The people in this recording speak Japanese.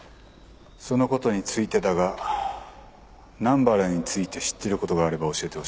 そのことについてだが南原について知っていることがあれば教えてほしい。